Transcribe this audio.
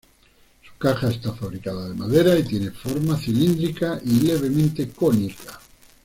Su caja está fabricada de madera, y tiene forma cilíndrica y levemente cónica.